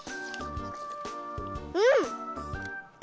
うん！